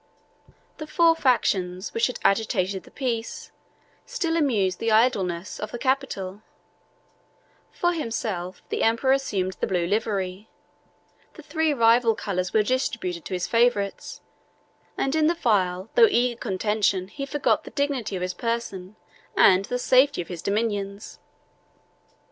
The four factions which had agitated the peace, still amused the idleness, of the capital: for himself, the emperor assumed the blue livery; the three rival colors were distributed to his favorites, and in the vile though eager contention he forgot the dignity of his person and the safety of his dominions.